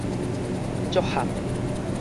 足譀的